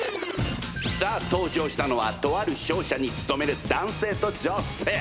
さあ登場したのはとある商社に勤める男性と女性。